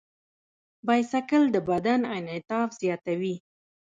بایسکل د بدن انعطاف زیاتوي.